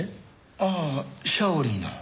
ああシャオリーの？